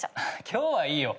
今日はいいよ。